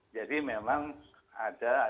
jadi memang ada